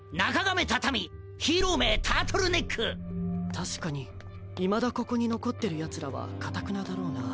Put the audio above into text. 確かにいまだここに残ってる奴らは頑なだろうな。